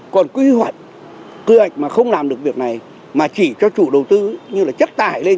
còn quy hoạch quy hoạch mà không làm được việc này mà chỉ cho chủ đầu tư như là chất tài lên